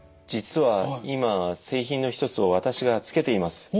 実は今製品の一つを私がつけています。